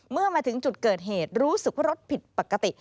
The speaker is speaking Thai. เมื่อมาถึงจุดเกิดเหตุรู้สึกว่ารถผิดปกติ